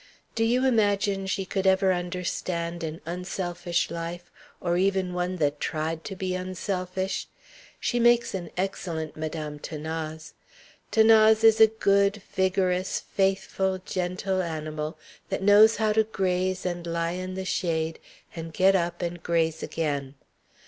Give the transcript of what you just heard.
Do you imagine she could ever understand an unselfish life, or even one that tried to be unselfish? She makes an excellent Madame 'Thanase. 'Thanase is a good, vigorous, faithful, gentle animal, that knows how to graze and lie in the shade and get up and graze again.